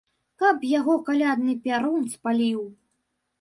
Каб яго калядны пярун спаліў!